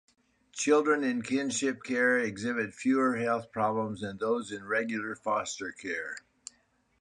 Children in kinship care exhibit fewer health problems then those in regular foster care.